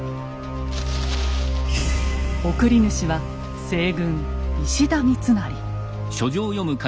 送り主は西軍・石田三成。